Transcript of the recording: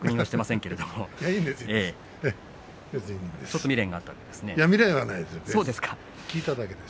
ちょっと未練があったんですね。